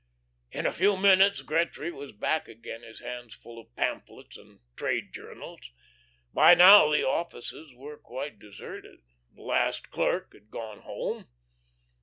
In a few moments Gretry was back again, his hands full of pamphlets and "trade" journals. By now the offices were quite deserted. The last clerk had gone home.